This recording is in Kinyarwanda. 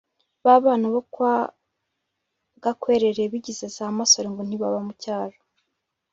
ba bana bo kwa gakwerere bigize za masore ngo ntibaba mu cyaro.